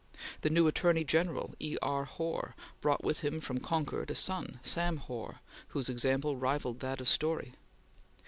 The new Attorney General, E. R. Hoar, brought with him from Concord a son, Sam Hoar, whose example rivalled that of Storey.